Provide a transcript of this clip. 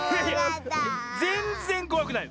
ぜんぜんこわくない！